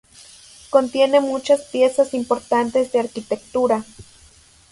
Contiene muchas piezas importantes de arquitectura.